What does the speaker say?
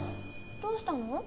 どうしたの？